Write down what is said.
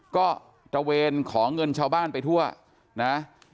ก็ตระเวนขอเงินชาวบ้านไปทั่วนะ